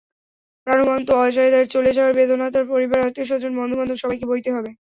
প্রাণবন্ত অজয়দার চলে যাওয়ার বেদনা তাঁর পরিবার, আত্মীয়স্বজন, বন্ধুবান্ধব সবাইকে বইতে হবে।